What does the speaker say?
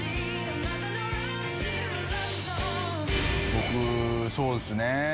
僕そうですね。